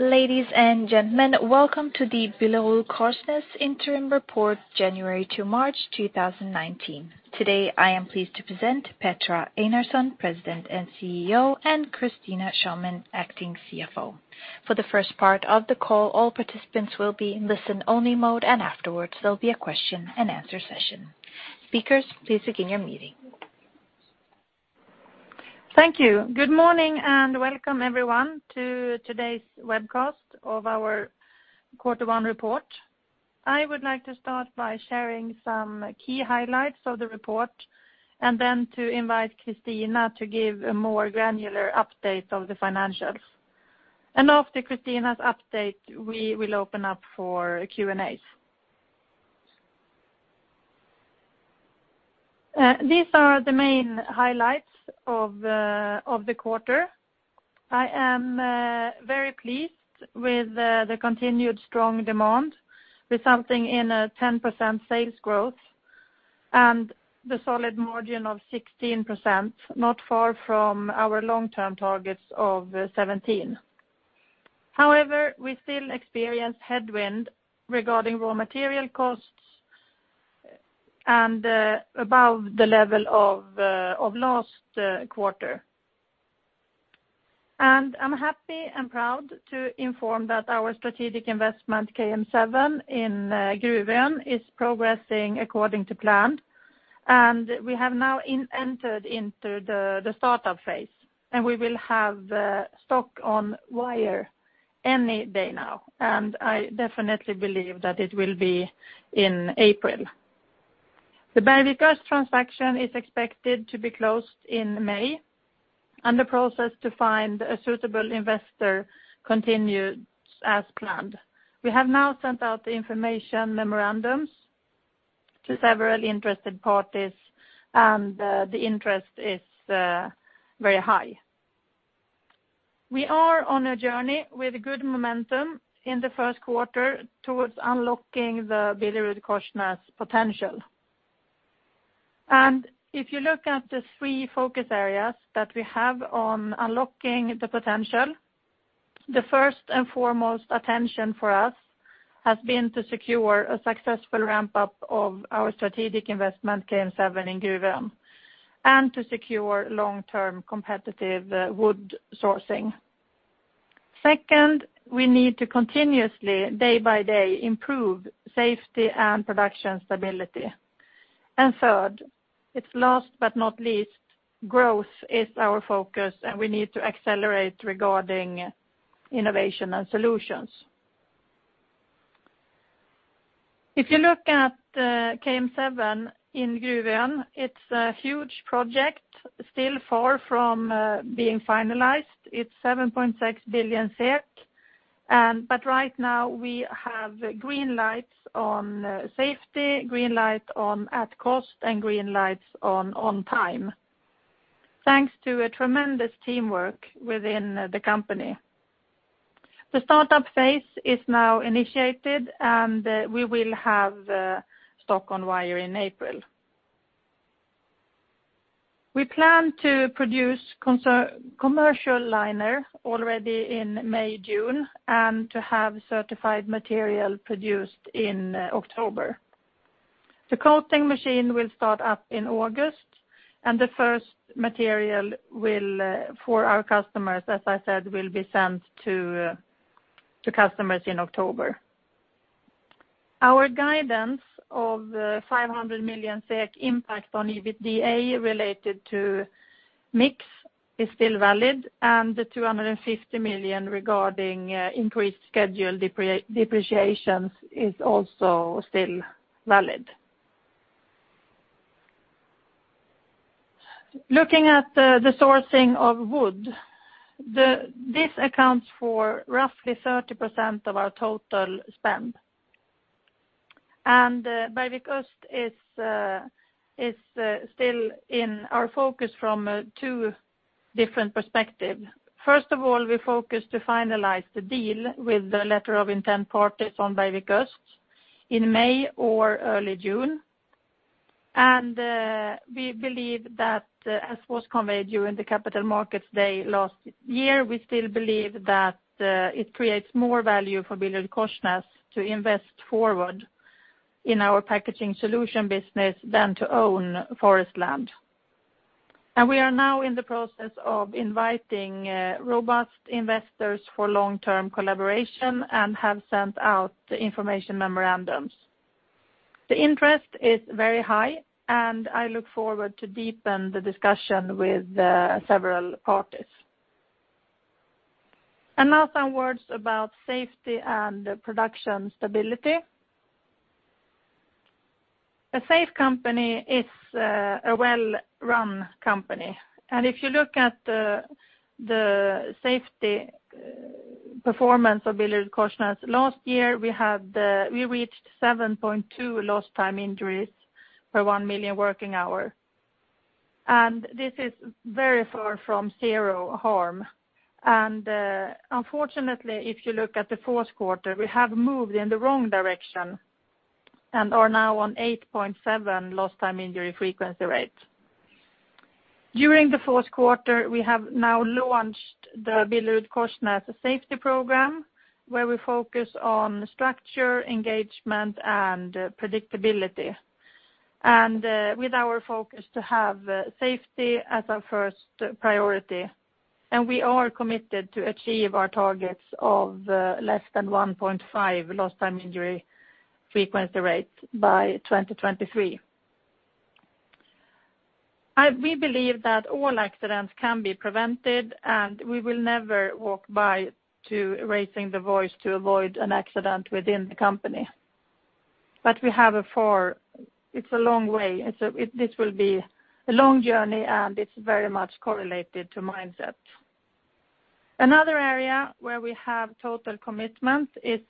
Ladies and gentlemen, welcome to the BillerudKorsnäs interim report, January to March 2019. Today, I am pleased to present Petra Einarsson, President and CEO, and Kristina Schauman, acting CFO. For the first part of the call, all participants will be in listen only mode. Afterwards there'll be a question and answer session. Speakers, please begin your meeting. Thank you. Good morning, and welcome everyone to today's webcast of our quarter one report. I would like to start by sharing some key highlights of the report, and then to invite Kristina to give a more granular update of the financials. After Kristina's update, we will open up for Q&As. These are the main highlights of the quarter. I am very pleased with the continued strong demand, resulting in a 10% sales growth and the solid margin of 16%, not far from our long-term targets of 17%. However, we still experience headwind regarding raw material costs and above the level of last quarter. I'm happy and proud to inform that our strategic investment, KM7 in Gruvön, is progressing according to plan, and we have now entered into the startup phase, and we will have stock on wire any day now, and I definitely believe that it will be in April. The Bergvik Skog transaction is expected to be closed in May, and the process to find a suitable investor continues as planned. We have now sent out the information memorandums to several interested parties, and the interest is very high. We are on a journey with good momentum in the first quarter towards unlocking the BillerudKorsnäs potential. If you look at the three focus areas that we have on unlocking the potential, the first and foremost attention for us has been to secure a successful ramp-up of our strategic investment, KM7 in Gruvön, and to secure long-term competitive wood sourcing. Second, we need to continuously, day by day, improve safety and production stability. Third, it's last but not least, growth is our focus and we need to accelerate regarding innovation and solutions. If you look at KM7 in Gruvön, it's a huge project, still far from being finalized. It's 7.6 billion SEK. Right now we have green lights on safety, green light on at cost, and green lights on time, thanks to a tremendous teamwork within the company. The startup phase is now initiated, and we will have stock on wire in April. We plan to produce commercial liner already in May, June, and to have certified material produced in October. The coating machine will start up in August, and the first material for our customers, as I said, will be sent to customers in October. Our guidance of 500 million SEK impact on EBITDA related to mix is still valid, the 250 million regarding increased schedule depreciations is also still valid. Looking at the sourcing of wood, this accounts for roughly 30% of our total spend. Bergvik Skog is still in our focus from two different perspectives. First of all, we focus to finalize the deal with the letter of intent parties on Bergvik Skog in May or early June. We believe that, as was conveyed during the Capital Markets Day last year, we still believe that it creates more value for BillerudKorsnäs to invest forward in our packaging solution business than to own forest land. We are now in the process of inviting robust investors for long-term collaboration and have sent out the information memorandums. The interest is very high, I look forward to deepen the discussion with several parties. Now some words about safety and production stability. A safe company is a well-run company. If you look at the safety performance of BillerudKorsnäs, last year, we reached 7.2 lost time injuries per 1 million working hours. This is very far from zero harm. Unfortunately, if you look at the fourth quarter, we have moved in the wrong direction and are now on 8.7 lost time injury frequency rate. During the fourth quarter, we have now launched the BillerudKorsnäs Safety Program, where we focus on structure, engagement, and predictability, with our focus to have safety as our first priority. We are committed to achieve our targets of less than 1.5 lost time injury frequency rate by 2023. We believe that all accidents can be prevented, and we will never walk by to raising the voice to avoid an accident within the company. It's a long way. This will be a long journey, and it's very much correlated to mindset. Another area where we have total commitment is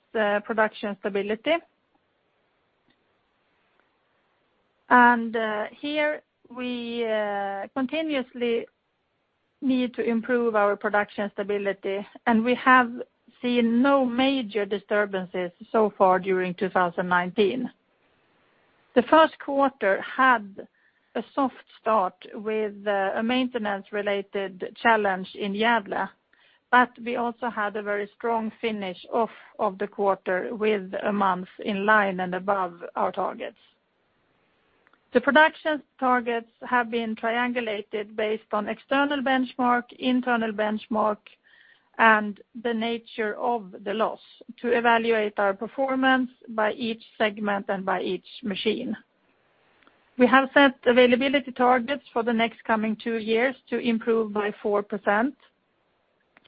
production stability. Here we continuously need to improve our production stability, and we have seen no major disturbances so far during 2019. The first quarter had a soft start with a maintenance-related challenge in Gävle, we also had a very strong finish off of the quarter with a month in line and above our targets. The production targets have been triangulated based on external benchmark, internal benchmark, and the nature of the loss to evaluate our performance by each segment and by each machine. We have set availability targets for the next coming two years to improve by 4%.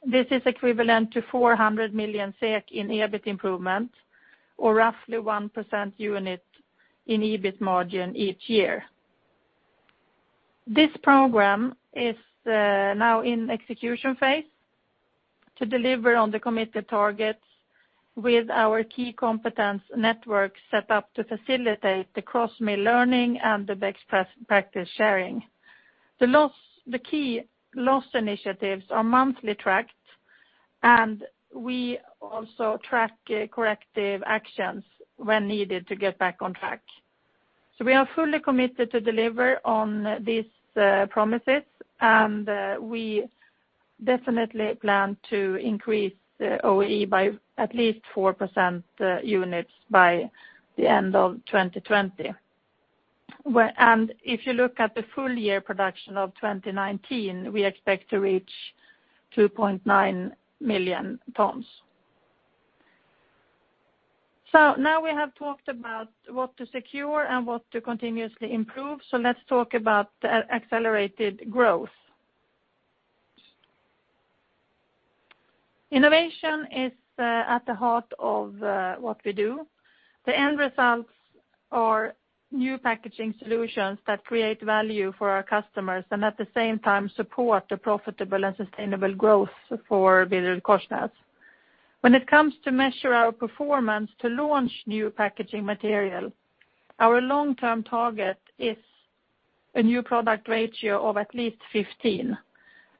This is equivalent to 400 million SEK in EBIT improvement, or roughly 1% unit in EBIT margin each year. This program is now in execution phase to deliver on the committed targets with our key competence network set up to facilitate the cross mill learning and the best practice sharing. The key loss initiatives are monthly tracked, we also track corrective actions when needed to get back on track. We are fully committed to deliver on these promises, and we definitely plan to increase OEE by at least 4% units by the end of 2020. If you look at the full year production of 2019, we expect to reach 2.9 million tons. Now we have talked about what to secure and what to continuously improve. Let's talk about accelerated growth. Innovation is at the heart of what we do. The end results are new packaging solutions that create value for our customers and at the same time support the profitable and sustainable growth for BillerudKorsnäs. When it comes to measure our performance to launch new packaging material, our long-term target is a new product ratio of at least 15.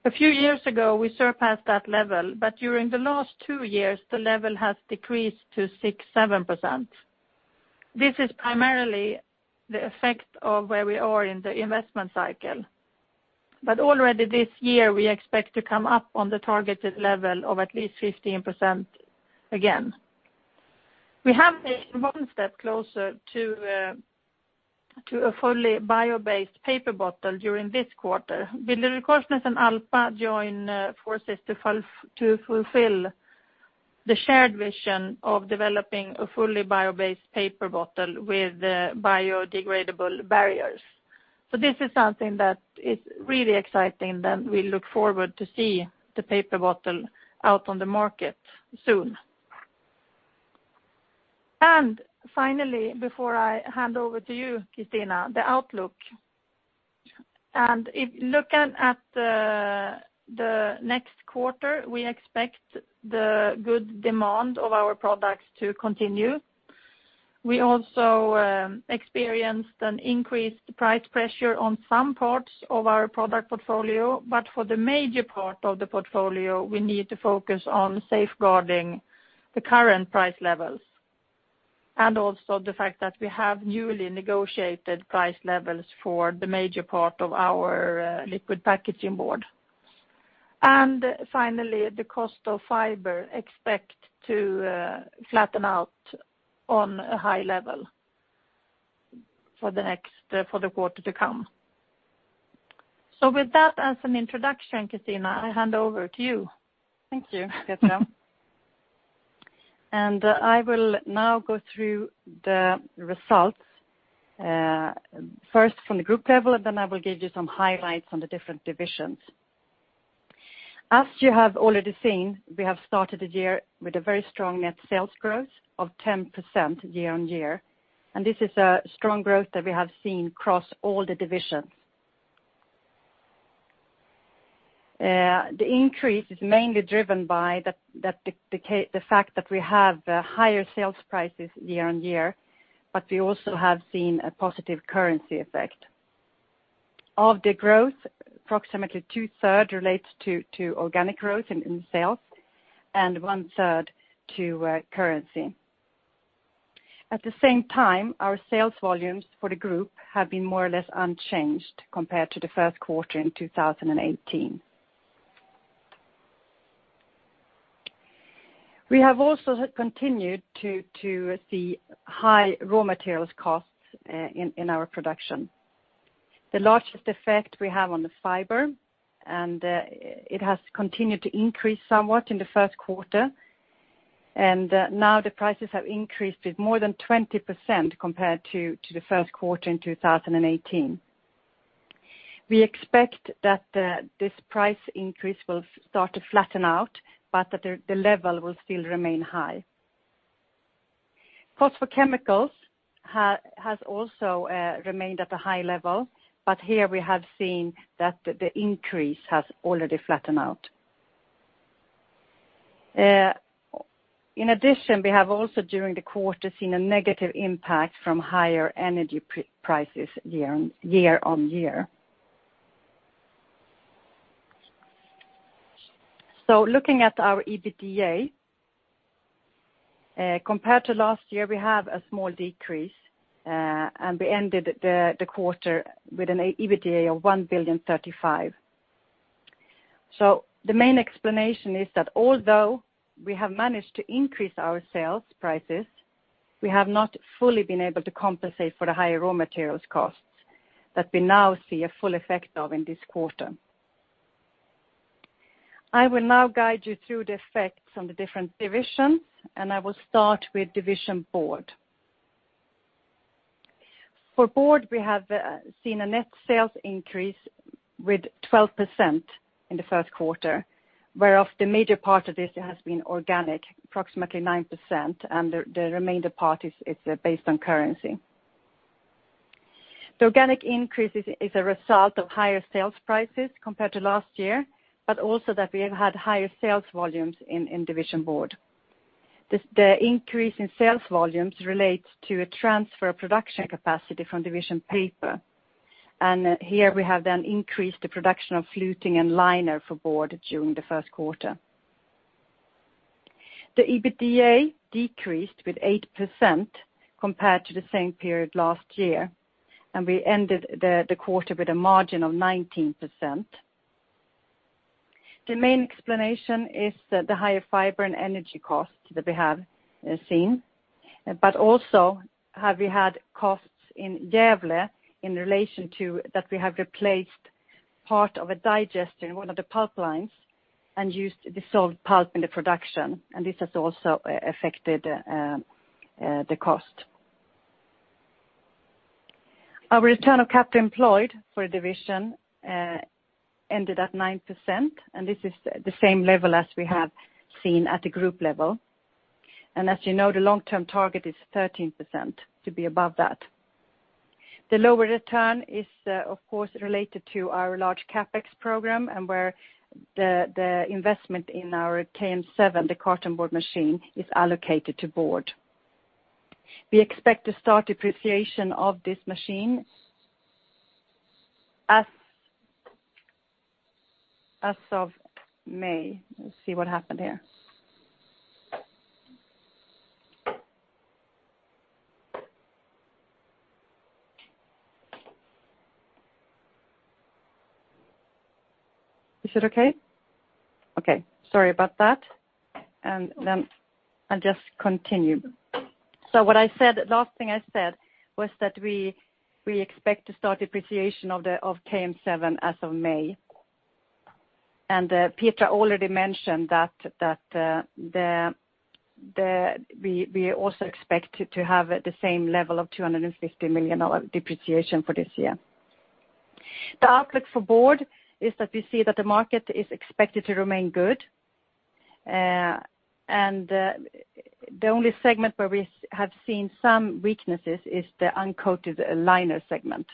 A few years ago, we surpassed that level, but during the last two years, the level has decreased to 6%, 7%. This is primarily the effect of where we are in the investment cycle. Already this year, we expect to come up on the targeted level of at least 15% again. We have taken one step closer to a fully bio-based paper bottle during this quarter. BillerudKorsnäs and ALPLA joined forces to fulfill the shared vision of developing a fully bio-based paper bottle with biodegradable barriers. This is something that is really exciting, and we look forward to see the paper bottle out on the market soon. Finally, before I hand over to you, Kristina, the outlook. Looking at the next quarter, we expect the good demand of our products to continue. We also experienced an increased price pressure on some parts of our product portfolio, but for the major part of the portfolio, we need to focus on safeguarding the current price levels and also the fact that we have newly negotiated price levels for the major part of our liquid packaging board. Finally, the cost of fiber expect to flatten out on a high level for the quarter to come. With that as an introduction, Kristina, I hand over to you. Thank you, Petra. I will now go through the results, first from the group level, and then I will give you some highlights on the different divisions. As you have already seen, we have started the year with a very strong net sales growth of 10% year-on-year, and this is a strong growth that we have seen across all the divisions. The increase is mainly driven by the fact that we have higher sales prices year-on-year, but we also have seen a positive currency effect. Of the growth, approximately two-third relates to organic growth in sales and one-third to currency. At the same time, our sales volumes for the group have been more or less unchanged compared to the first quarter in 2018. We have also continued to see high raw materials costs in our production. The largest effect we have on the fiber, it has continued to increase somewhat in the first quarter, now the prices have increased with more than 20% compared to the first quarter in 2018. We expect that this price increase will start to flatten out, but that the level will still remain high. Costs for chemicals has also remained at a high level, but here we have seen that the increase has already flattened out. In addition, we have also, during the quarter, seen a negative impact from higher energy prices year-on-year. Looking at our EBITDA, compared to last year, we have a small decrease, and we ended the quarter with an EBITDA of 1 billion 35. The main explanation is that although we have managed to increase our sales prices, we have not fully been able to compensate for the higher raw materials costs that we now see a full effect of in this quarter. I will now guide you through the effects on the different divisions, and I will start with Division Board. For Board, we have seen a net sales increase with 12% in the first quarter, where of the major part of this has been organic, approximately 9%, and the remainder part is based on currency. The organic increase is a result of higher sales prices compared to last year, but also that we have had higher sales volumes in Division Board. The increase in sales volumes relates to a transfer production capacity from Division Paper. Here we have then increased the production of fluting and liner for Board during the first quarter. The EBITDA decreased with 8% compared to the same period last year, and we ended the quarter with a margin of 19%. The main explanation is the higher fiber and energy costs that we have seen, but also have we had costs in Gävle in relation to that we have replaced part of a digester in one of the pulp lines and used dissolving pulp in the production, and this has also affected the cost. Our return of capital employed for the division ended at 9%, and this is the same level as we have seen at the group level. As you know, the long-term target is 13%, to be above that. The lower return is, of course, related to our large CapEx program and where the investment in our KM7, the cartonboard machine, is allocated to Board. We expect to start depreciation of this machine as of May. Then I'll just continue. The last thing I said was that we expect to start depreciation of KM7 as of May. Petra already mentioned that we also expect to have the same level of 250 million depreciation for this year. The outlook for Board is that we see that the market is expected to remain good. The only segment where we have seen some weaknesses is the uncoated liner segment.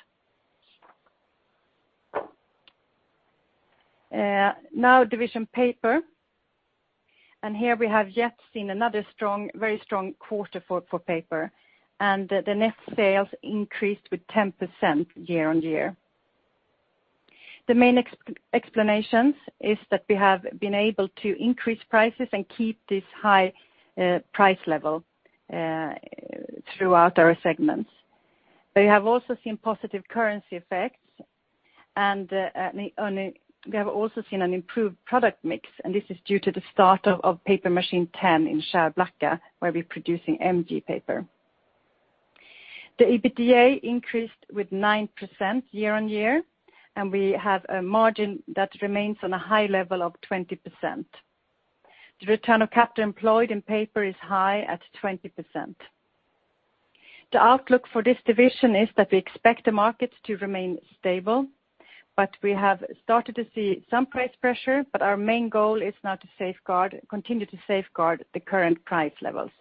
Division Paper, here we have yet seen another very strong quarter for Paper, and the net sales increased with 10% year-on-year. The main explanation is that we have been able to increase prices and keep this high price level throughout our segments. We have also seen positive currency effects, and we have also seen an improved product mix, and this is due to the start of PM10 in Skärblacka, where we're producing MG paper. The EBITDA increased with 9% year-on-year, and we have a margin that remains on a high level of 20%. The return of capital employed in Paper is high at 20%. The outlook for this division is that we expect the market to remain stable, but we have started to see some price pressure, our main goal is now to continue to safeguard the current price levels.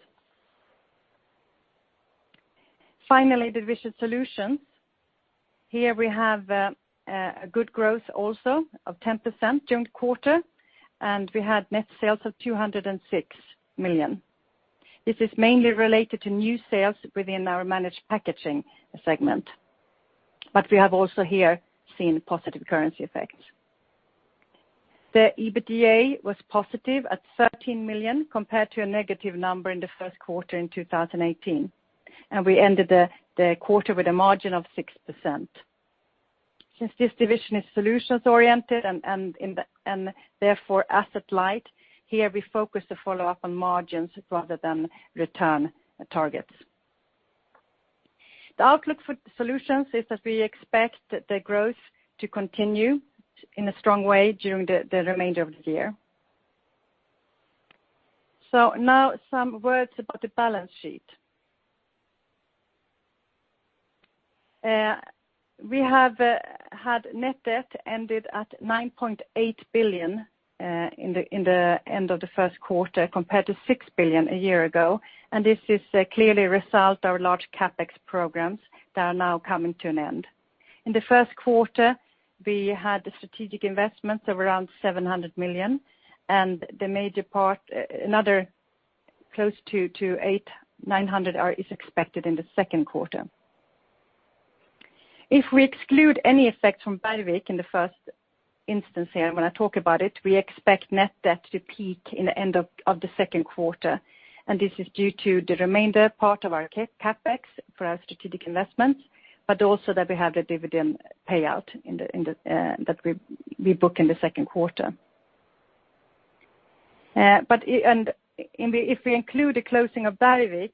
Finally, Division Solutions. Here we have a good growth also of 10% during the quarter, and we had net sales of 206 million. This is mainly related to new sales within our Managed Packaging segment, but we have also here seen positive currency effects. The EBITDA was positive at 13 million compared to a negative number in the first quarter in 2018. We ended the quarter with a margin of 6%. Since this division is solutions oriented and therefore asset light, here we focus the follow-up on margins rather than return targets. The outlook for solutions is that we expect the growth to continue in a strong way during the remainder of the year. Now some words about the balance sheet. We have had net debt ended at 9.8 billion in the end of the first quarter compared to 6 billion a year ago. This is clearly a result of our large CapEx programs that are now coming to an end. In the first quarter, we had strategic investments of around 700 million, close to 900 million is expected in the second quarter. If we exclude any effect from Bergvik in the first instance here, when I talk about it, we expect net debt to peak in the end of the second quarter. This is due to the remainder part of our CapEx for our strategic investments, also that we have the dividend payout that we book in the second quarter. If we include the closing of Bergvik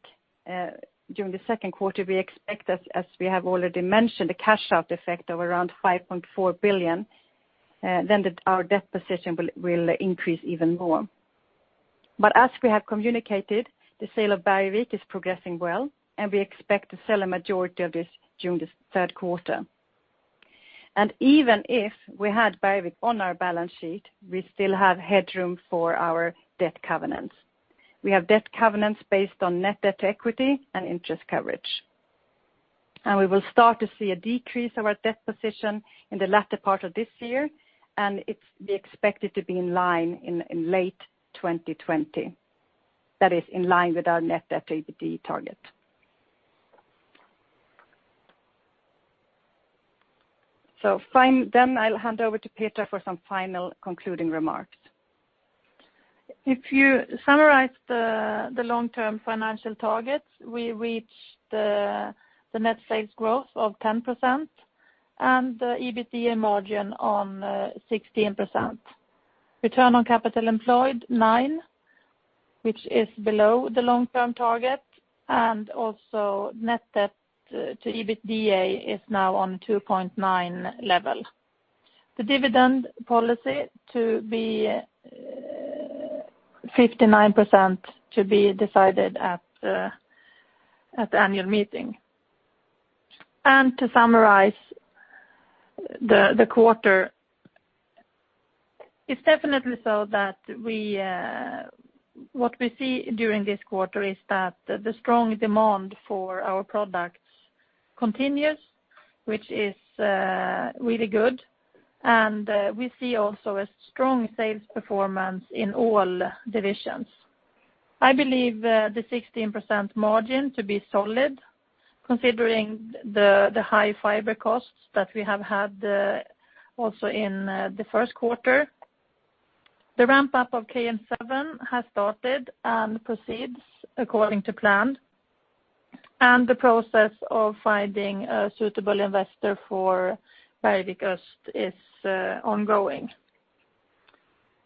during the second quarter, we expect, as we have already mentioned, a cash out effect of around 5.4 billion. Our debt position will increase even more. As we have communicated, the sale of Bergvik is progressing well, and we expect to sell a majority of this during the third quarter. Even if we had Bergvik on our balance sheet, we still have headroom for our debt covenants. We have debt covenants based on net debt to equity and interest coverage. We will start to see a decrease of our debt position in the latter part of this year, and it's expected to be in line in late 2020. That is in line with our net debt/EBITDA target. I'll hand over to Petra for some final concluding remarks. If you summarize the long-term financial targets, we reach the net sales growth of 10% and the EBITDA margin on 16%. Return on capital employed 9%, which is below the long-term target, also net debt/EBITDA is now on 2.9x level. The dividend policy to be 59% to be decided at the annual meeting. To summarize the quarter, it's definitely so that what we see during this quarter is that the strong demand for our products continues, which is really good, and we see also a strong sales performance in all divisions. I believe the 16% margin to be solid considering the high fiber costs that we have had also in the first quarter. The ramp-up of KM7 has started and proceeds according to plan, and the process of finding a suitable investor for Bergvik is ongoing.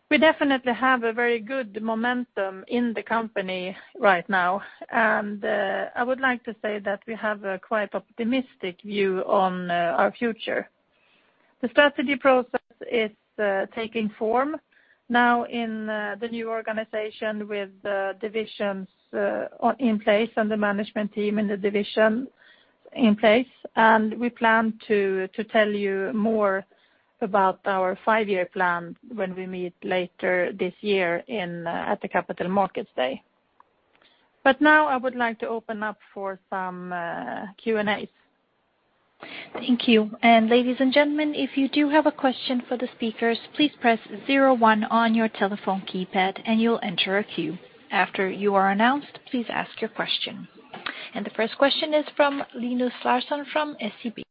We definitely have a very good momentum in the company right now, I would like to say that we have a quite optimistic view on our future. The strategy process is taking form now in the new organization with the divisions in place and the management team and the division in place. We plan to tell you more about our five-year plan when we meet later this year at the Capital Markets Day. Now I would like to open up for some Q&As. Thank you. Ladies and gentlemen, if you do have a question for the speakers, please press 01 on your telephone keypad and you'll enter a queue. After you are announced, please ask your question. The first question is from Linus Larsson from SEB.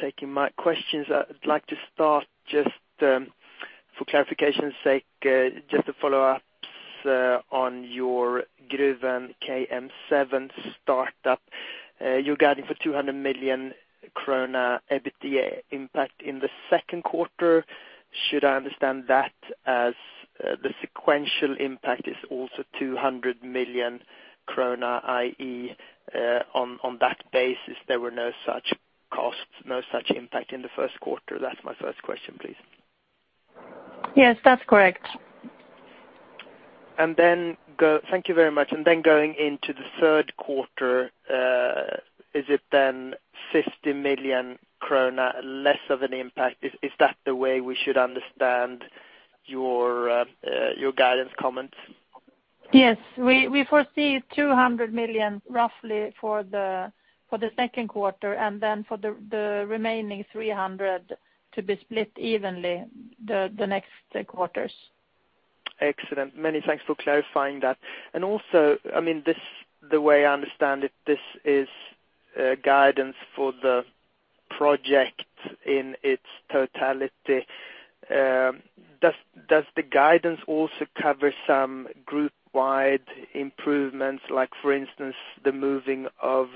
Taking my questions. I'd like to start just for clarification's sake, just to follow up on your Gruvön KM7 startup. You're guiding for 200 million krona EBITDA impact in the second quarter. Should I understand that as the sequential impact is also 200 million krona, i.e., on that basis, there were no such costs, no such impact in the first quarter? That's my first question, please. Yes, that's correct. Thank you very much. Then going into the third quarter, is it then 50 million krona less of an impact? Is that the way we should understand your guidance comments? Yes. We foresee 200 million roughly for the second quarter, and then for the remaining 300 million to be split evenly the next quarters. Excellent. Many thanks for clarifying that. Also, the way I understand it, this is guidance for the project in its totality. Does the guidance also cover some group-wide improvements? Like for instance, the moving of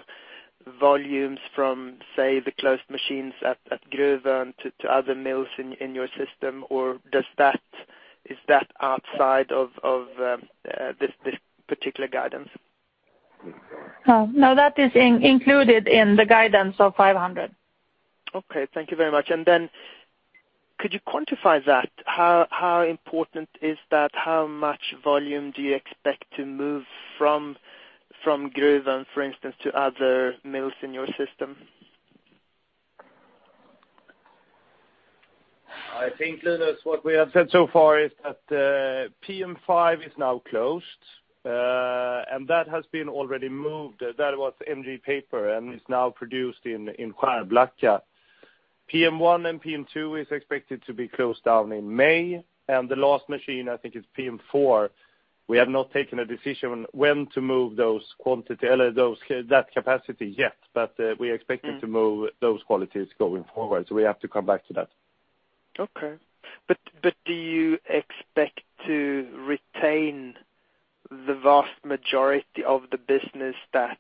volumes from, say, the closed machines at Gruvön to other mills in your system, or is that outside of this particular guidance? No, that is included in the guidance of 500 million. Okay, thank you very much. Could you quantify that? How important is that? How much volume do you expect to move from Gruvön, for instance, to other mills in your system? I think, Linus, what we have said so far is that PM5 is now closed, that has been already moved. That was MG paper and is now produced in Skärblacka. PM1 and PM2 is expected to be closed down in May, the last machine, I think it's PM4, we have not taken a decision when to move that capacity yet. We are expecting to move those qualities going forward. We have to come back to that. Okay. Do you expect to retain the vast majority of the business that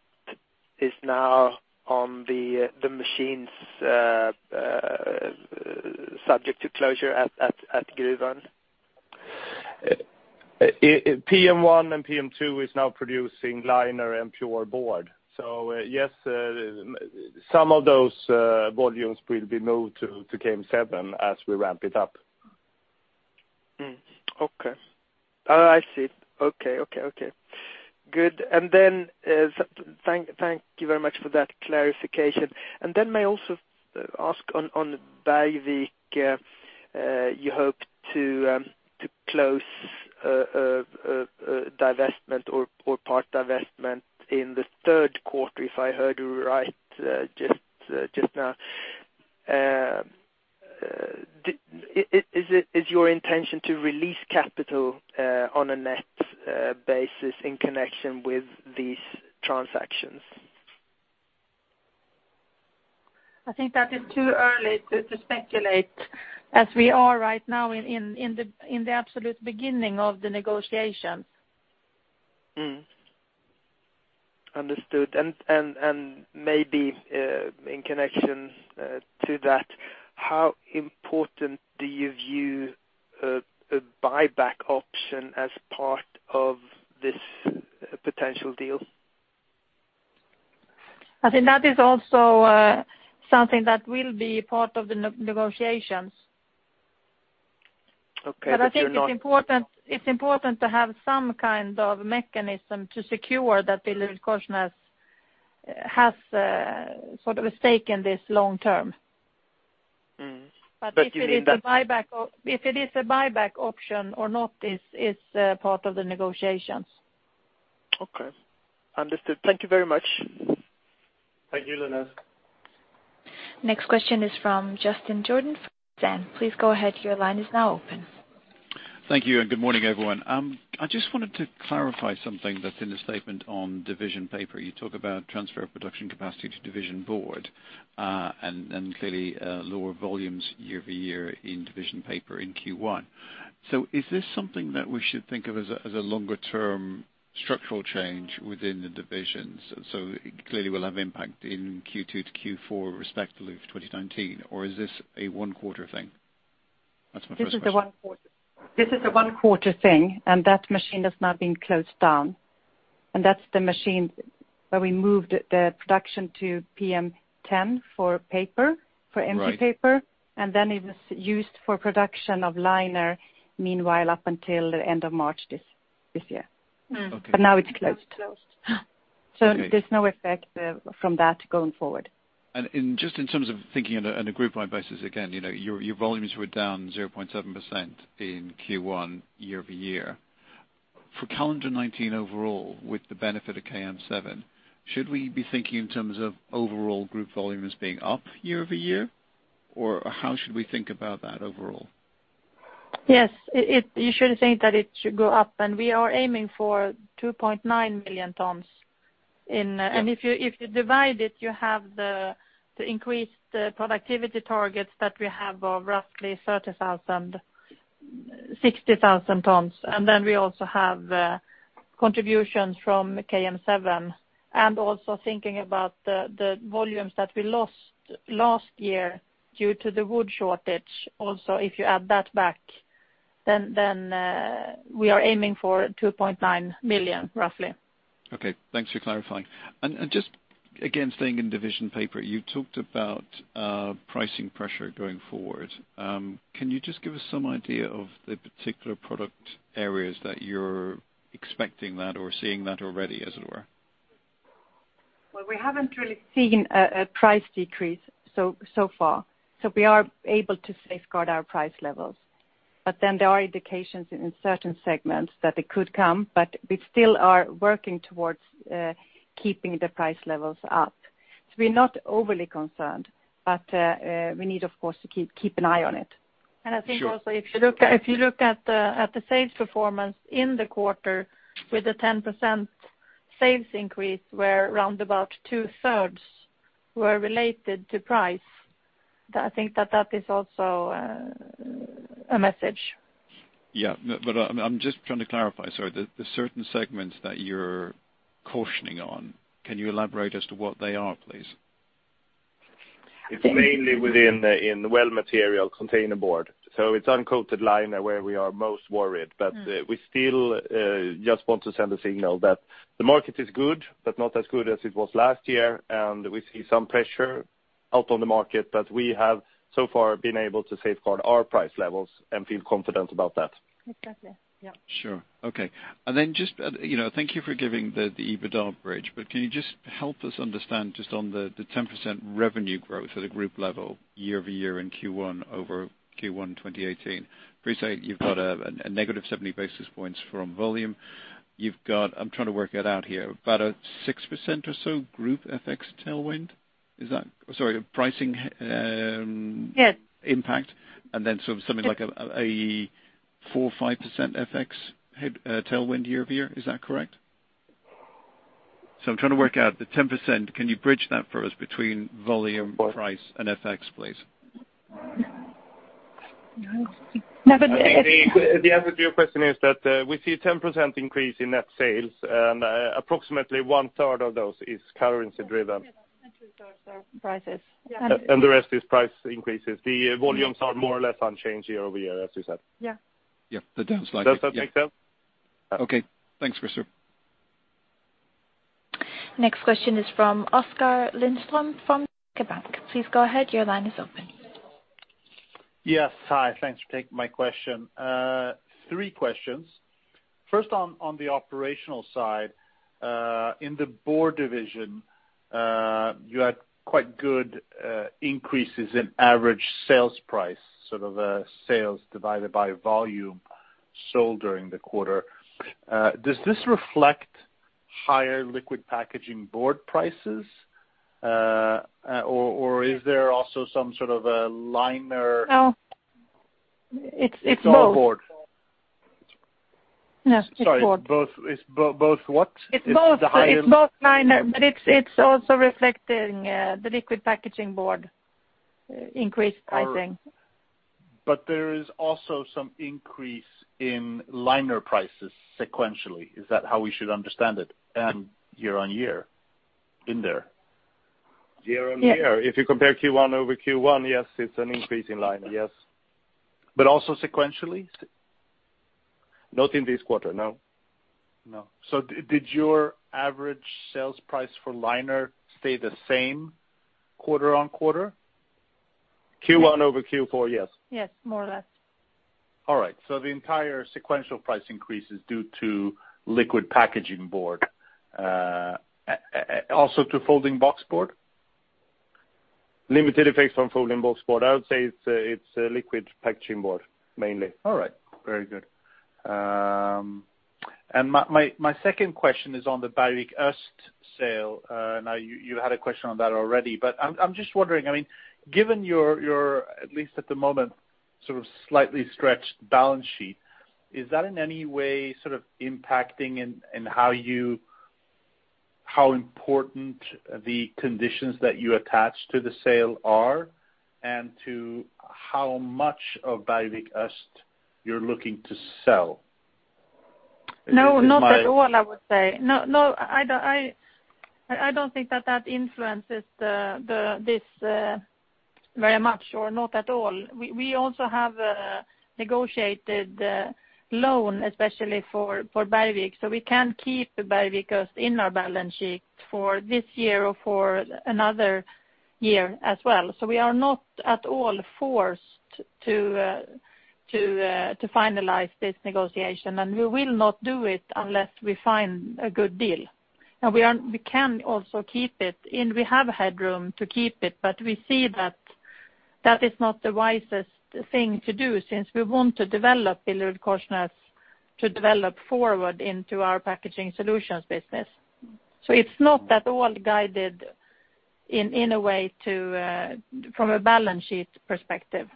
is now on the machines subject to closure at Gruvön? PM1 and PM2 is now producing liner and pure board. Yes, some of those volumes will be moved to KM7 as we ramp it up. Okay. I see. Okay. Good. Thank you very much for that clarification. Then may I also ask on Bergvik, you hope to close a divestment or part divestment in the third quarter, if I heard you right just now. Is your intention to release capital on a net basis in connection with these transactions? I think that is too early to speculate as we are right now in the absolute beginning of the negotiations. Understood. Maybe in connection to that, how important do you view a buyback option as part of this potential deal? I think that is also something that will be part of the negotiations. Okay, you're not. I think it's important to have some kind of mechanism to secure that BillerudKorsnäs has a stake in this long term. You mean that. If it is a buyback option or not is part of the negotiations. Okay. Understood. Thank you very much. Thank you, Linus. Next question is from Justin Jordan from DNB. Please go ahead, your line is now open. Thank you. Good morning, everyone. I just wanted to clarify something that's in the statement on division paper. You talk about transfer of production capacity to division board, and clearly lower volumes year-over-year in division paper in Q1. Is this something that we should think of as a longer term structural change within the divisions? It clearly will have impact in Q2 to Q4 respectively for 2019, or is this a one quarter thing? That's my first question. This is a one quarter thing, that machine has now been closed down. That's the machine where we moved the production to PM10 for MG paper. Right. Then it was used for production of liner meanwhile up until the end of March this year. Okay. Now it's closed. Now it's closed. There's no effect from that going forward. Just in terms of thinking on a group-wide basis, again, your volumes were down 0.7% in Q1 year-over-year. For calendar 2019 overall, with the benefit of KM7, should we be thinking in terms of overall group volumes being up year-over-year? Or how should we think about that overall? Yes. You should think that it should go up, we are aiming for 2.9 million tons. If you divide it, you have the increased productivity targets that we have of roughly 60,000 tons. Then we also have contributions from KM7, also thinking about the volumes that we lost last year due to the wood shortage. If you add that back then we are aiming for 2.9 million, roughly. Okay, thanks for clarifying. Just, again, staying in division paper, you talked about pricing pressure going forward. Can you just give us some idea of the particular product areas that you're expecting that or seeing that already, as it were? We haven't really seen a price decrease so far. We are able to safeguard our price levels. There are indications in certain segments that it could come, we still are working towards keeping the price levels up. We're not overly concerned, we need, of course, to keep an eye on it. Sure. I think also, if you look at the sales performance in the quarter with the 10% sales increase, where around about two-thirds were related to price, I think that is also a message. Yeah. I'm just trying to clarify, sorry, the certain segments that you're cautioning on, can you elaborate as to what they are, please? It's mainly in the well material containerboard. It's uncoated liner where we are most worried. We still just want to send a signal that the market is good, but not as good as it was last year, and we see some pressure out on the market, but we have so far been able to safeguard our price levels and feel confident about that. Exactly. Yeah. Sure. Okay. Thank you for giving the EBITDA bridge. Can you just help us understand just on the 10% revenue growth at the group level year-over-year in Q1 over Q1 2018? You've got a negative 70 basis points from volume. I'm trying to work it out here. About a 6% or so group FX tailwind? Sorry, Yes impact, then something like a 4% or 5% FX tailwind year-over-year. Is that correct? I'm trying to work out the 10%. Can you bridge that for us between volume, price, and FX, please? No, but it- The answer to your question is that we see a 10% increase in net sales, approximately one-third of those is currency driven. Yes, two-thirds are prices. The rest is price increases. The volumes are more or less unchanged year-over-year, as we said. Yeah. Yeah, the downslide. Does that make sense? Okay. Thanks, Christoph. Next question is from Oskar Lindström from Danske Bank. Please go ahead. Your line is open. Yes. Hi, thanks for taking my question. Three questions. First, on the operational side. In the Board division, you had quite good increases in average sales price, sort of a sales divided by volume sold during the quarter. Does this reflect higher liquid packaging board prices? Or is there also some sort of a liner- No. It's both. It's all board. No, it's board. Sorry, both what? It's both. It's both liner, it's also reflecting the liquid packaging board increase pricing. There is also some increase in liner prices sequentially. Is that how we should understand it? Year-on-year in there. Year-on-year. If you compare Q1 over Q1, yes, it's an increase in liner. Yes. Also sequentially? Not in this quarter, no. No. Did your average sales price for liner stay the same quarter-on-quarter? Q1 over Q4, yes. Yes, more or less. All right. The entire sequential price increase is due to liquid packaging board. Also to folding boxboard? Limited effect from folding boxboard. I would say it's liquid packaging board mainly. All right, very good. My second question is on the Bergvik Skog sale. You had a question on that already. I'm just wondering, given your, at least at the moment, sort of slightly stretched balance sheet, is that in any way sort of impacting in how important the conditions that you attach to the sale are, and to how much of Bergvik Skog you're looking to sell? No, not at all, I would say. No, I don't think that influences this very much or not at all. We also have a negotiated loan, especially for Bergvik Skog. We can keep Bergvik Skog in our balance sheet for this year or for another year as well. We are not at all forced to finalize this negotiation, and we will not do it unless we find a good deal. We can also keep it, and we have headroom to keep it, but we see that that is not the wisest thing to do since we want to develop BillerudKorsnäs to develop forward into our packaging solutions business. It's not at all guided in a way from a balance sheet perspective.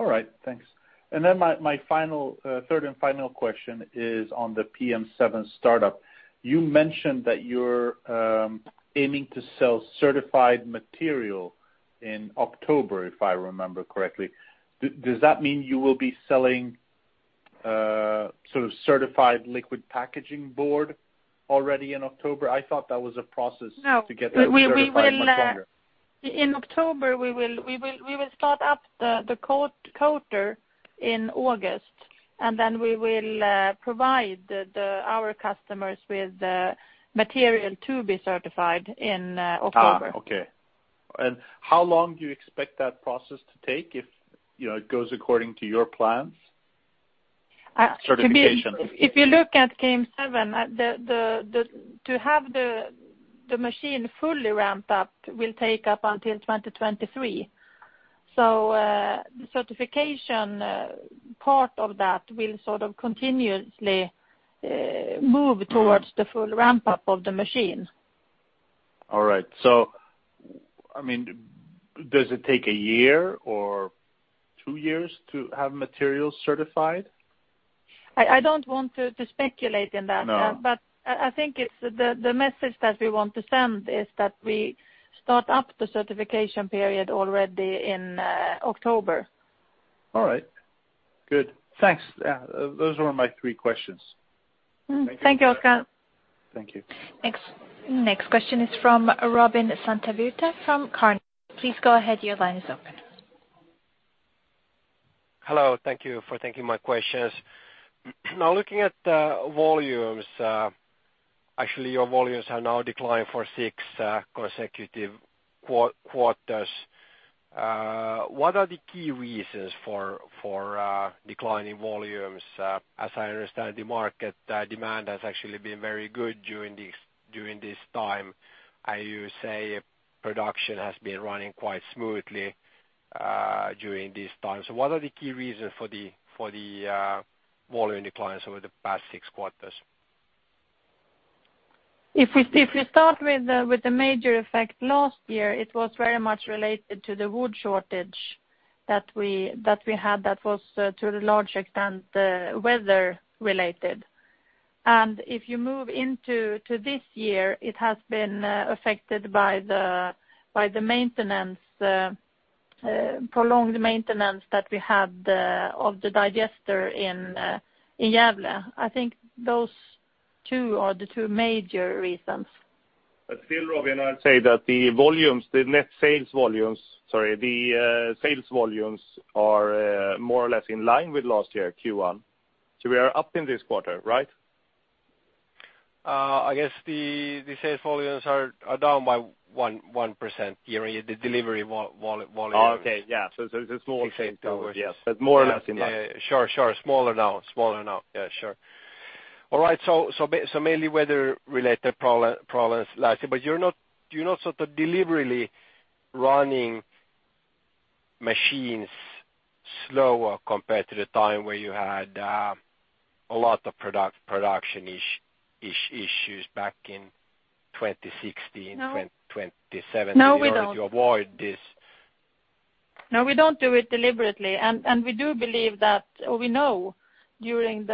All right, thanks. My third and final question is on the KM7 startup. You mentioned that you're aiming to sell certified material in October, if I remember correctly. Does that mean you will be selling certified liquid packaging board already in October? I thought that was a process to get that certified much longer. No. In October, we will start up the coater in August, and then we will provide our customers with the material to be certified in October. Okay. How long do you expect that process to take if it goes according to your plans? Certification. If you look at KM7, to have the machine fully ramped up will take up until 2023. So the certification part of that will continuously move towards the full ramp-up of the machine. All right. Does it take one year or two years to have materials certified? I don't want to speculate on that. No. I think the message that we want to send is that we start up the certification period already in October. All right. Good. Thanks. Those were my three questions. Thank you, Oskar. Thank you. Next question is from Robin Santavirta from Carnegie. Please go ahead. Your line is open. Hello. Thank you for taking my questions. Looking at the volumes, actually, your volumes have now declined for six consecutive quarters. What are the key reasons for declining volumes? As I understand, the market demand has actually been very good during this time. You say production has been running quite smoothly during this time. What are the key reasons for the volume declines over the past six quarters? If we start with the major effect last year, it was very much related to the wood shortage that we had that was, to the large extent, weather related. If you move into this year, it has been affected by the prolonged maintenance that we had of the digester in Gävle. I think those two are the two major reasons. Still, Robin, I'd say that the sales volumes are more or less in line with last year Q1. We are up in this quarter, right? I guess the sales volumes are down by 1% year in the delivery volume. Okay. Yeah. It is more or less in line. Sure. Smaller now. Yeah, sure. All right. Mainly weather-related problems last year, but you are not deliberately running machines slower compared to the time where you had a lot of production issues back in 2016, 2017- No, we do not. in order to avoid this. No, we don't do it deliberately. We do believe that, or we know during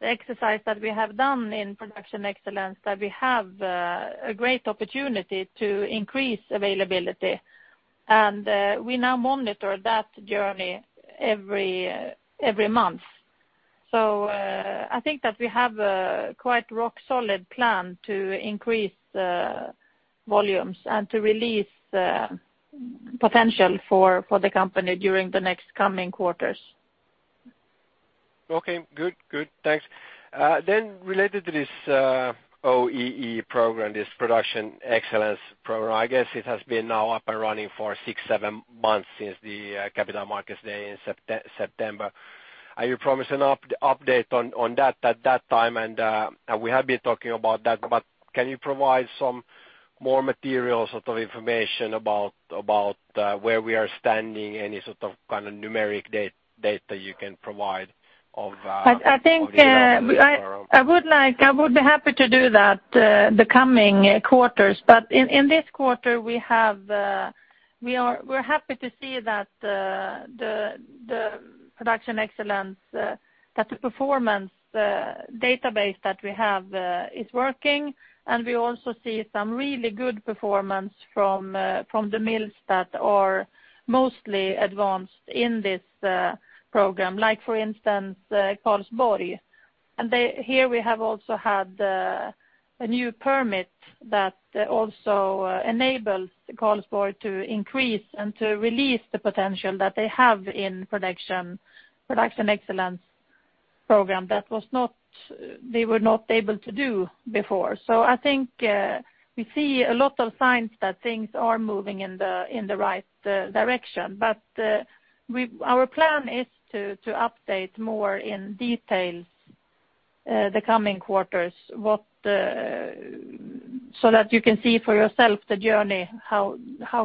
the exercise that we have done in Production Excellence, that we have a great opportunity to increase availability. We now monitor that journey every month. I think that we have a quite rock solid plan to increase volumes and to release potential for the company during the next coming quarters. Okay, good. Thanks. Related to this OEE program, this Production Excellence program, I guess it has been now up and running for six, seven months since the Capital Markets Day in September. You promised an update on that at that time, we have been talking about that, can you provide some more materials, information about where we are standing, any kind of numeric data you can provide? I would be happy to do that the coming quarters. In this quarter, we're happy to see that the Production Excellence, that the performance database that we have is working. We also see some really good performance from the mills that are mostly advanced in this program, like for instance, Karlsborg. Here we have also had a new permit that also enables Karlsborg to increase and to release the potential that they have in Production Excellence program that they were not able to do before. I think we see a lot of signs that things are moving in the right direction. Our plan is to update more in detail the coming quarters, so that you can see for yourself the journey, how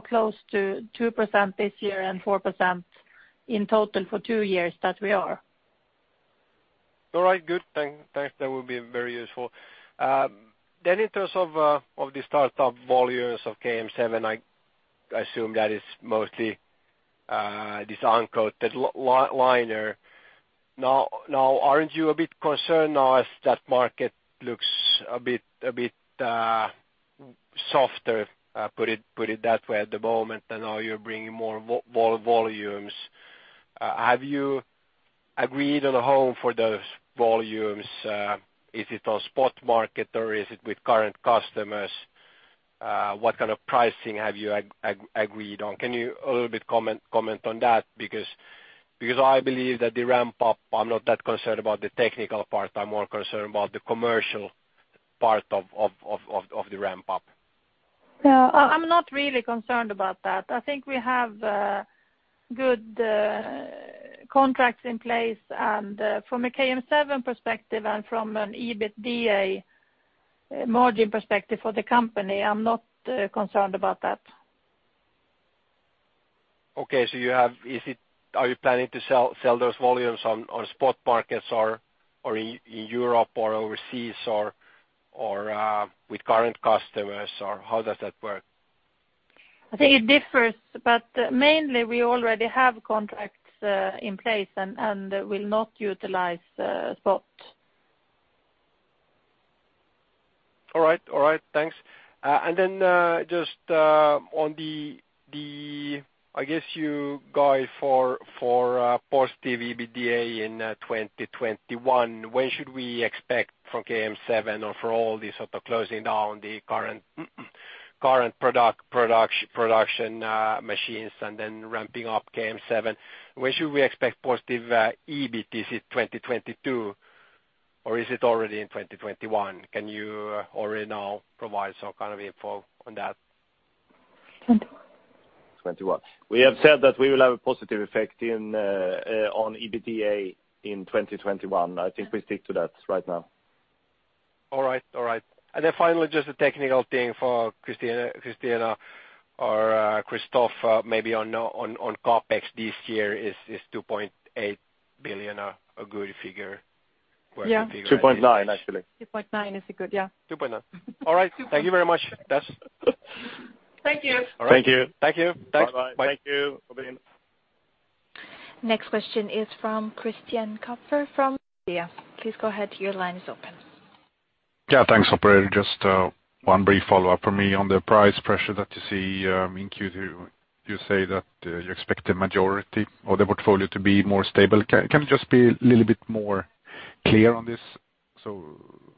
close to 2% this year and 4% in total for two years that we are. All right, good. Thanks. That will be very useful. In terms of the start-up volumes of KM7, I assume that is mostly this uncoated liner. Aren't you a bit concerned now as that market looks a bit softer, put it that way, at the moment, now you're bringing more volumes. Have you agreed on a home for those volumes? Is it on spot market or is it with current customers? What kind of pricing have you agreed on? Can you a little bit comment on that? I believe that the ramp-up, I'm not that concerned about the technical part, I'm more concerned about the commercial part of the ramp-up. I'm not really concerned about that. I think we have good contracts in place. From a KM7 perspective and from an EBITDA margin perspective for the company, I'm not concerned about that. Okay. Are you planning to sell those volumes on spot markets or in Europe or overseas or with current customers? How does that work? I think it differs, mainly we already have contracts in place and will not utilize spot. All right. Thanks. Just on the, I guess you guide for positive EBITDA in 2021. When should we expect from KM7 or for all the sort of closing down the current production machines and then ramping up KM7, when should we expect positive EBIT? Is it 2022, or is it already in 2021? Can you already now provide some kind of info on that? '21. '21. We have said that we will have a positive effect on EBITDA in 2021. I think we stick to that right now. All right. Then finally, just a technical thing for Kristina or Christoph, maybe on CapEx this year, is 2.8 billion a good figure? Yeah. 2.9, actually. 2.9 is good, yeah. 2.9. All right. Thank you very much. Thank you. Thank you. Thank you. Bye-bye. Thank you. Next question is from Christian Kopfer from Nordea. Please go ahead. Your line is open. Just one brief follow-up from me on the price pressure that you see in Q2. You say that you expect the majority of the portfolio to be more stable. Can you just be a little bit more clear on this?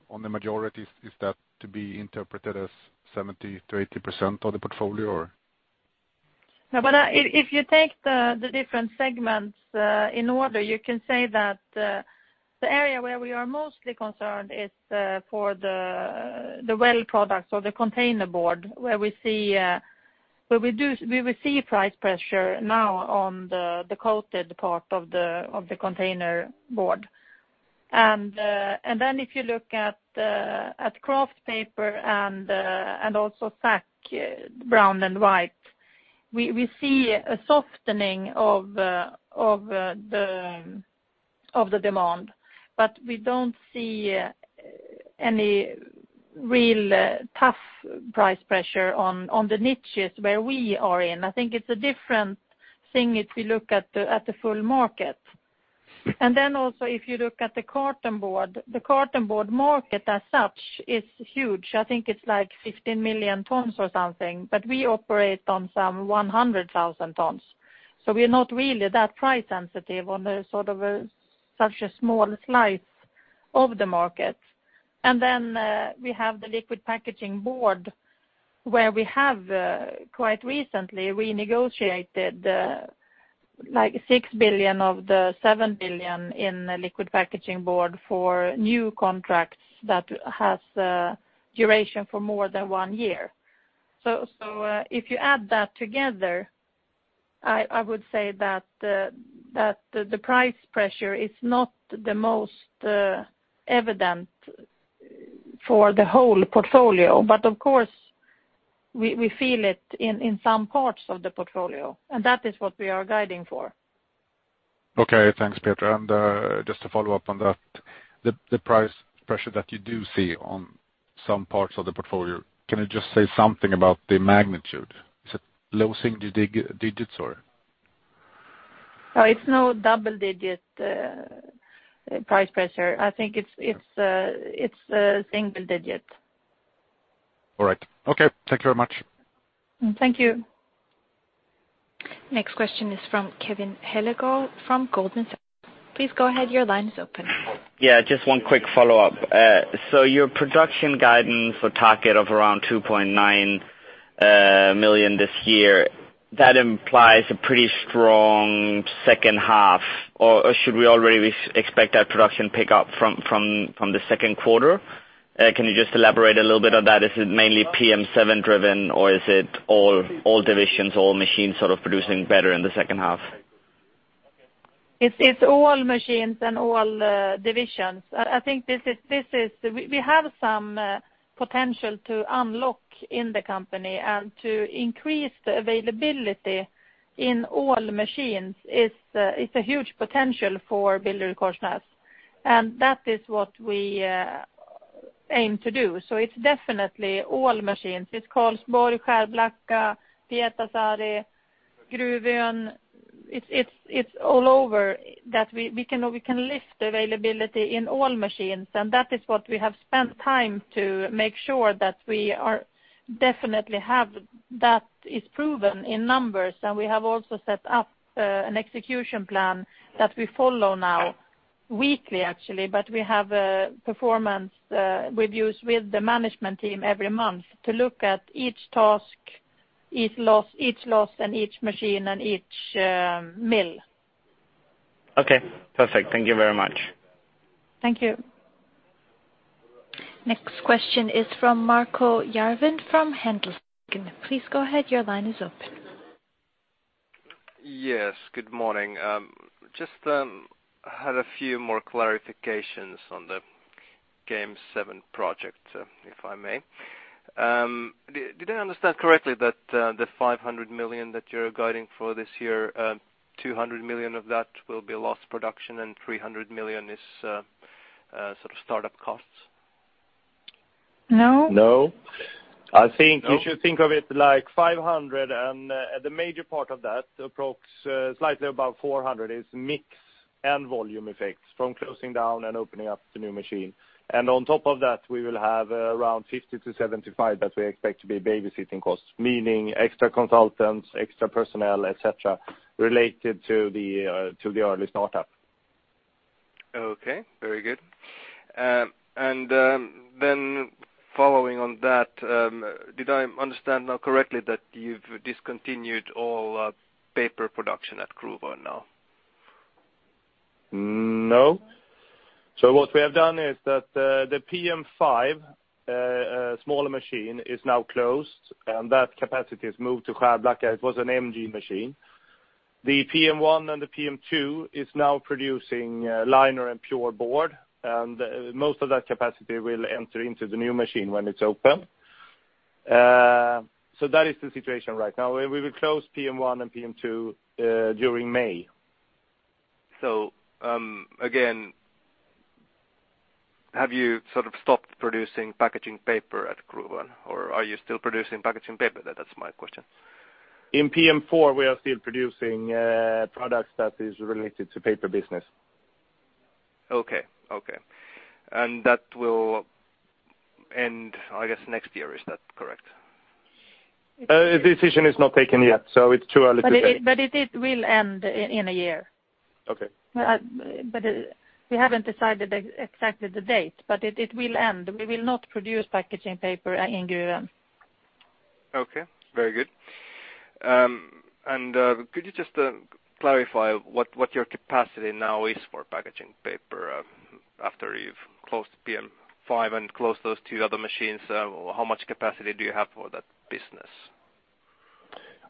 On the majority, is that to be interpreted as 70%-80% of the portfolio, or? If you take the different segments in order, you can say that the area where we are mostly concerned is for the well products or the containerboard, where we see price pressure now on the coated part of the containerboard. If you look at kraft paper and also sack, brown and white, we see a softening of the demand. We don't see any real tough price pressure on the niches where we are in. I think it's a different thing if you look at the full market. Also, if you look at the cartonboard, the cartonboard market as such is huge. I think it's 15 million tons or something, but we operate on some 100,000 tons. We are not really that price sensitive on such a small slice of the market. Then we have the liquid packaging board, where we have quite recently renegotiated 6 billion of the 7 billion in liquid packaging board for new contracts that has a duration for more than one year. If you add that together, I would say that the price pressure is not the most evident for the whole portfolio. Of course, we feel it in some parts of the portfolio, and that is what we are guiding for. Okay. Thanks, Petra. Just to follow up on that, the price pressure that you do see on some parts of the portfolio, can you just say something about the magnitude? Is it low single digits or? No, it is no double-digit price pressure. I think it is single digit. All right. Okay. Thank you very much. Thank you. Next question is from Kevin Hellegou from Goldman Sachs. Please go ahead. Your line is open. Yeah, just one quick follow-up. Your production guidance for target of around 2.9 million this year, that implies a pretty strong second half, or should we already expect that production pick up from the second quarter? Can you just elaborate a little bit on that? Is it mainly KM7 driven or is it all divisions, all machines sort of producing better in the second half? It is all machines and all divisions. We have some potential to unlock in the company and to increase the availability in all machines. It is a huge potential for BillerudKorsnäs, and that is what we aim to do. It is definitely all machines. It is Karlsborg, Skärblacka, Pietarsaari, Gruvön. It is all over that we can lift availability in all machines, and that is what we have spent time to make sure that we definitely have that is proven in numbers. We have also set up an execution plan that we follow now weekly, actually, but we have performance reviews with the management team every month to look at each task, each loss, and each machine and each mill. Okay, perfect. Thank you very much. Thank you. Next question is from Mikael Järvinen from Handelsbanken. Please go ahead. Your line is open. Yes. Good morning. Just had a few more clarifications on the KM7 project, if I may. Did I understand correctly that the 500 million that you're guiding for this year, 200 million of that will be lost production and 300 million is sort of startup costs? No. No. I think you should think of it like 500 and the major part of that, slightly above 400, is mix and volume effects from closing down and opening up the new machine. On top of that, we will have around 50-75 that we expect to be babysitting costs, meaning extra consultants, extra personnel, et cetera, related to the early startup. Okay. Very good. Following on that, did I understand now correctly that you've discontinued all paper production at Gruvön now? No. What we have done is that the PM5, a smaller machine, is now closed, and that capacity is moved to Skärblacka. It was an MG machine. The PM1 and the PM2 is now producing liner and pure board, and most of that capacity will enter into the new machine when it's open. That is the situation right now. We will close PM1 and PM2 during May. Again, have you sort of stopped producing packaging paper at Gruvön, or are you still producing packaging paper? That's my question. In PM4, we are still producing products that is related to paper business. Okay. That will end, I guess, next year. Is that correct? Decision is not taken yet, it's too early to say. It will end in a year. Okay. We haven't decided exactly the date, but it will end. We will not produce packaging paper in Gruvön. Okay. Very good. Could you just clarify what your capacity now is for packaging paper after you've closed PM5 and closed those two other machines? How much capacity do you have for that business?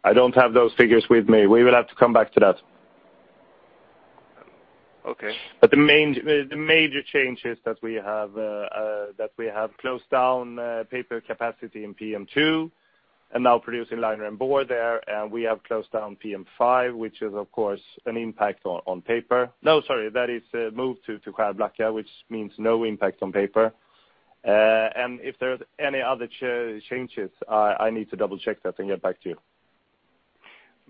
I don't have those figures with me. We will have to come back to that. Okay. The major changes that we have closed down paper capacity in PM2, and now producing liner and board there. We have closed down PM5, which is, of course, an impact on paper. No, sorry, that is moved to Skärblacka, which means no impact on paper. If there's any other changes, I need to double-check that and get back to you.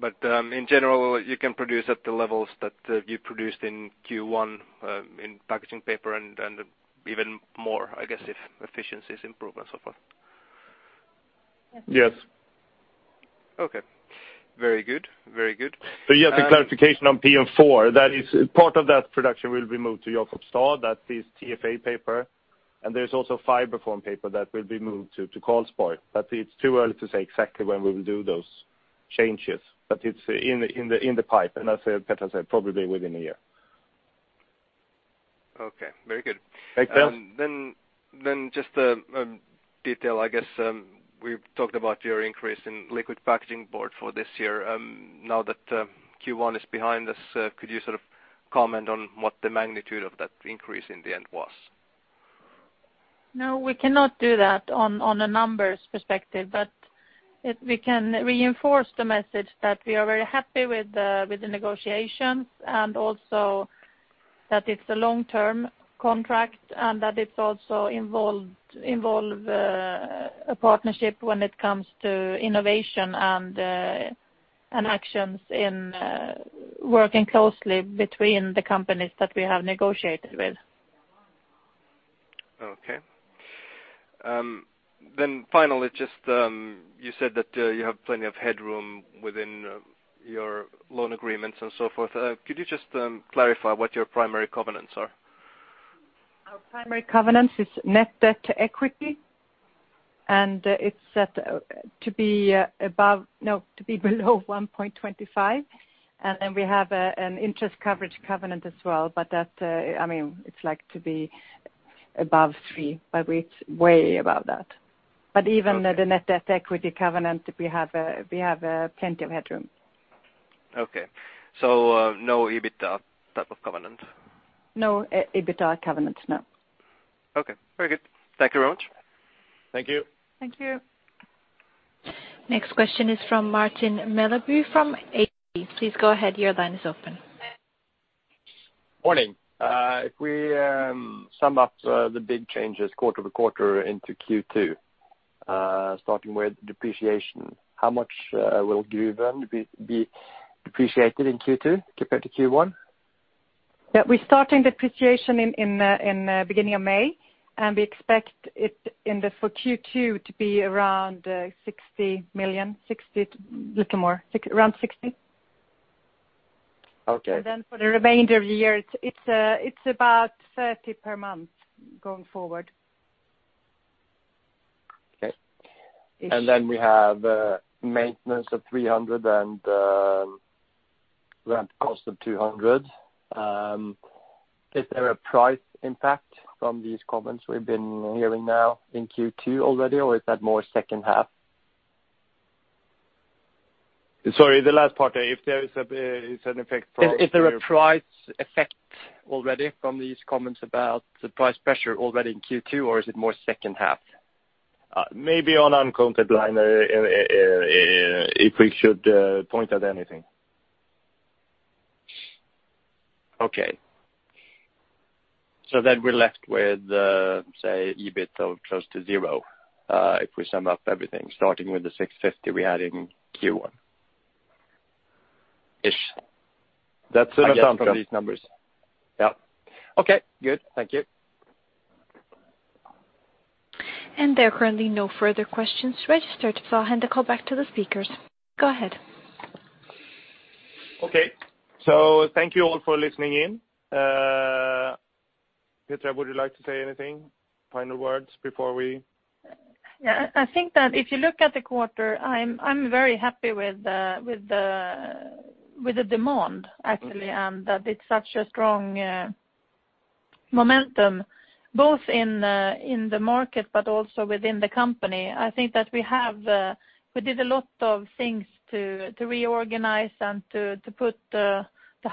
In general, you can produce at the levels that you produced in Q1 in packaging paper and even more, I guess, if efficiency is improved and so forth. Yes. Okay. Very good. You have the clarification on PM4. Part of that production will be moved to Josefstad. That is TFA paper. There is also FibreForm paper that will be moved to Karlsborg. It is too early to say exactly when we will do those changes. It is in the pipe, and as Petra said, probably within a year. Okay. Very good. Thanks, Pål. Just a detail, I guess. We've talked about your increase in liquid packaging board for this year. Now that Q1 is behind us, could you sort of comment on what the magnitude of that increase in the end was? No, we cannot do that on a numbers perspective. We can reinforce the message that we are very happy with the negotiations and also that it's a long-term contract and that it also involve a partnership when it comes to innovation and actions in working closely between the companies that we have negotiated with. Okay. Finally, just you said that you have plenty of headroom within your loan agreements and so forth. Could you just clarify what your primary covenants are? Our primary covenants is net debt to equity, it's set to be below 1.25. We have an interest coverage covenant as well, it's like to be above three, but it's way above that. Even the net debt equity covenant, we have plenty of headroom. Okay. No EBITDA type of covenant? No EBITDA covenant, no. Okay. Very good. Thank you very much. Thank you. Thank you. Next question is from Martin Melbye from AB. Please go ahead, your line is open. Morning. If we sum up the big changes quarter-over-quarter into Q2, starting with depreciation, how much will Gruvön be depreciated in Q2 compared to Q1? Yeah. We're starting depreciation in beginning of May, we expect it for Q2 to be around 60 million, 60, little more. Around 60. Okay. For the remainder of the year, it's about 30 per month going forward. Okay. We have maintenance of 300 and rent cost of 200. Is there a price impact from these comments we've been hearing now in Q2 already, or is that more second half? Sorry, the last part, if there is an effect for- Is there a price effect already from these comments about the price pressure already in Q2, or is it more second half? Maybe on uncoated liner, if we should point at anything. Okay. We're left with, say, EBIT of close to zero, if we sum up everything, starting with the 650 we had in Q1. Ish. That's- I guess from these numbers. Yep. Okay, good. Thank you. There are currently no further questions registered, so I'll hand the call back to the speakers. Go ahead. Thank you all for listening in. Petra, would you like to say anything? Final words before we I think that if you look at the quarter, I'm very happy with the demand, actually, and that it's such a strong momentum, both in the market, but also within the company. I think that we did a lot of things to reorganize and to put the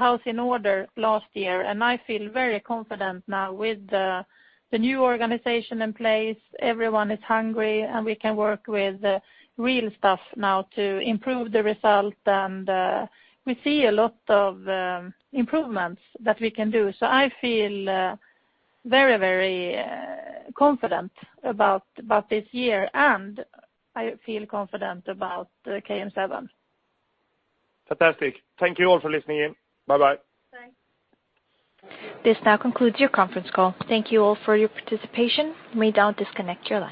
house in order last year. I feel very confident now with the new organization in place. Everyone is hungry, and we can work with real stuff now to improve the result. We see a lot of improvements that we can do. I feel very confident about this year, and I feel confident about KM7. Fantastic. Thank you all for listening in. Bye-bye. Bye. This now concludes your conference call. Thank you all for your participation. You may now disconnect your line.